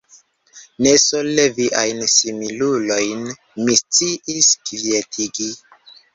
Ne sole viajn similulojn mi sciis kvietigi.